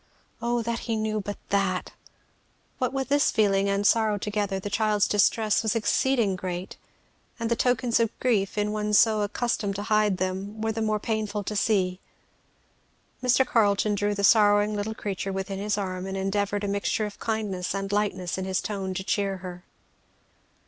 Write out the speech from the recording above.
"Oh that he knew but that!" What with this feeling and sorrow together the child's distress was exceeding great; and the tokens of grief in one so accustomed to hide them were the more painful to see. Mr. Carleton drew the sorrowing little creature within his arm and endeavoured with a mixture of kindness and lightness in his tone to cheer her.